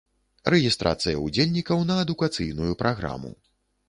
Рэгістрацыя ўдзельнікаў на адукацыйную праграму.